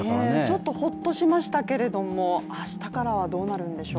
ちょっとホッとしましたけれども明日からはどうなるんでしょう。